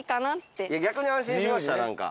逆に安心しました何か。